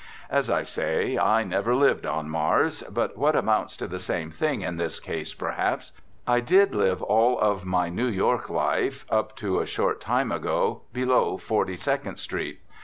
As I say, I never lived on Mars, but, what amounts to the same thing in this case, perhaps, I did live all of my New York life, up to a short time ago, below Forty second Street.